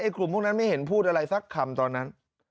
กลุ่มพวกนั้นไม่เห็นพูดอะไรสักคำตอนนั้น